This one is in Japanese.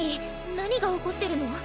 何が起こってるの？